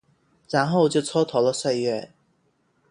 然后就蹉跎了岁月